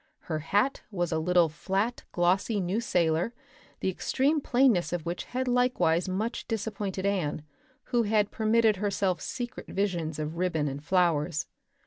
Her hat was a little, flat, glossy, new sailor, the extreme plainness of which had likewise much disappointed Anne, who had permitted herself secret visions of ribbon and flowers.